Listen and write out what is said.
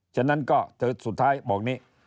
ฉะนั้นก็สุดท้ายบอกนี้